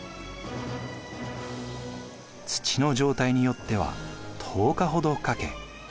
土の状態によっては１０日ほどかけ